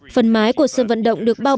phần mái của sân vận động được thiết kế bằng gỗ